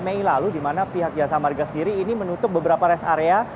di mei lalu dimana pihak jasa marga sendiri ini menutup beberapa rest area